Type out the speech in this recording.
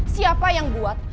siapa yang buat